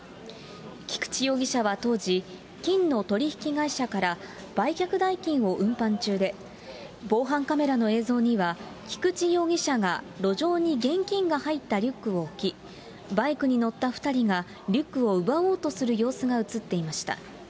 菊地容疑者は当時、金の取り引き会社から売却代金を運搬中で、防犯カメラの映像には、菊地容疑者が路上に現金が入ったリュックを置き、バイクに乗った２人がリュックを奪おうとする様子が写っていました。